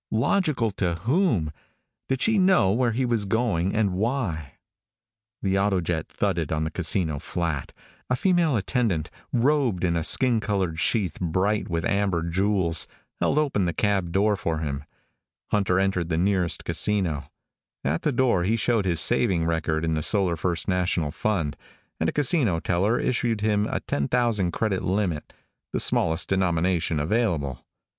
Logical to whom? Did she know where he was going and why? The autojet thudded on the casino flat. A female attendant, robed in a skin colored sheath bright with amber jewels, held open the cab door for him. Hunter entered the nearest casino. At the door he showed his saving record in the Solar First National Fund, and a casino teller issued him a ten thousand credit limit, the smallest denomination available.